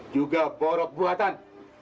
juga borok buatan